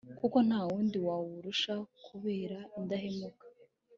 kuko nta wundi wawurusha kukubera indahemuka